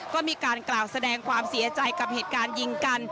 ก็มีการกล่าวแสดงความเสียใจกับเหตุการณ์ยิงกัน